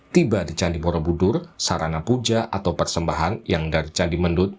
tiba di candi borobudur sarana puja atau persembahan yang dari candi mendut